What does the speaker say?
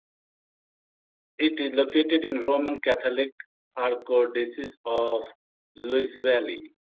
It is located in the Roman Catholic Archdiocese of Louisville.